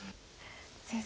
先生